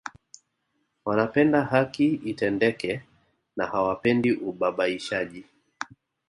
Wanapenda haki itendeke na hawapendi ubabaishaji